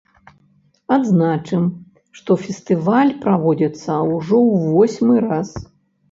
Адзначым, што фестываль праводзіцца ўжо ў восьмы раз.